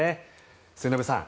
末延さん